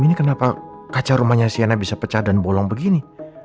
ini kenapa kaca rumahnya siana bisa pecah dan bolong begini